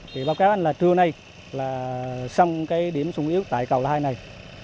thì báo cáo anh là trưa nay là xong cái điểm sống yếu tại cầu là hai này